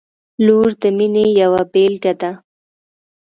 • لور د مینې یوه بېلګه ده.